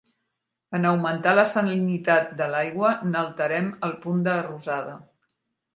En augmentar la salinitat de l'aigua, n'alterem el punt de rosada.